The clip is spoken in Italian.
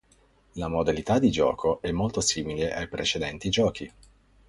La modalità di gioco è molto simile ai precedenti giochi.